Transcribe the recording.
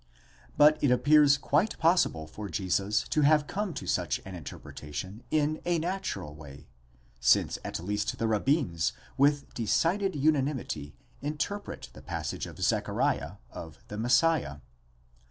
But it appears quite possible for Jesus to have come to such an interpretation in a natural way, since at least the rabbins with decided unanimity interpret the passage of Zechariah of the Messiah.?